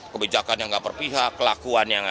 kebijakan yang tidak berpihak kelakuannya tidak